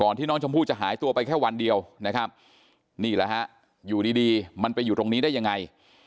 นี่แหละฮะอยู่ดีมันไปอยู่ตรงนี้ได้ยังไง